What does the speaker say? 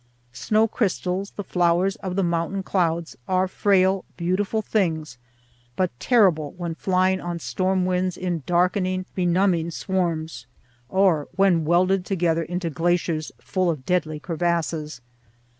Snow crystals, the flowers of the mountain clouds, are frail, beautiful things, but terrible when flying on storm winds in darkening, benumbing swarms or when welded together into glaciers full of deadly crevasses.